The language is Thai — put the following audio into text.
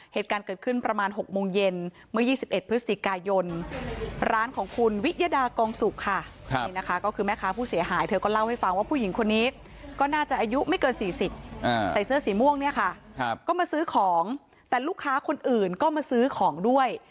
เหตุการณ์เกิดขึ้นประมาณ๖โมงเย็นเมื่อ๒๑พฤศจิกายนร้านของคุณวิยดากองสุกค่ะนี่นะคะก็คือแม่ค้าผู้เสียหายเธอก็เล่าให้ฟังว่าผู้หญิงคนนี้ก็น่าจะอายุไม่เกิน๔๐ใส่เสื้อสีม่วงเนี่ยค่ะก็มาซื้อของแต่ลูกค้าคนอื่นก็มาซื้อของด้วย